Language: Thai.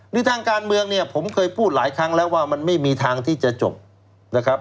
ในทางการเมืองเนี่ยผมเคยพูดหลายครั้งแล้วว่ามันไม่มีทางที่จะจบนะครับ